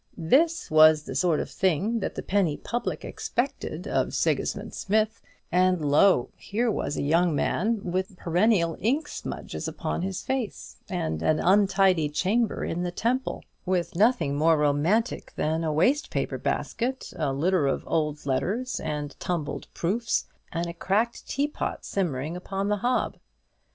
This was the sort of thing the penny public expected of Sigismund Smith; and, lo, here was a young man with perennial ink smudges upon his face, and an untidy chamber in the Temple, with nothing more romantic than a waste paper basket, a litter of old letters and tumbled proofs, and a cracked teapot simmering upon the hob.